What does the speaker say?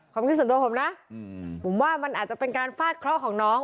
ความคิดส่วนตัวผมนะผมว่ามันอาจจะเป็นการฟาดเคราะห์ของน้อง